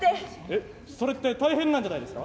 えっそれって大変なんじゃないですか？